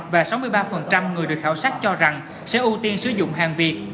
và sáu mươi ba người được khảo sát cho rằng sẽ ưu tiên sử dụng hàng việt